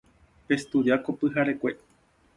Pestudia ko pyharekue.